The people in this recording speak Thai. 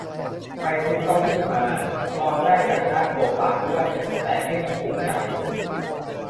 ไปซื้อเก้าอี้มา ตอนแรกอยากได้โซฟาด้วย แต่ไม่มีถูกใจ